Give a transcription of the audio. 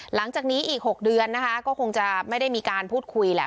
หลังจากนี้อีก๖เดือนนะคะก็คงจะไม่ได้มีการพูดคุยแหละ